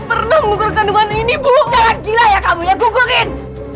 pernah menggoda kandungan ini bu jangan gila ya kamu ya kukurin